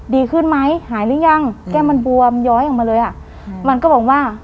ดีขึ้นไหมหายหรือยังแก้มมันบวมย้อยออกมาเลยอ่ะอืมมันก็บอกว่า